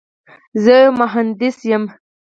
زه یو مهندس یم.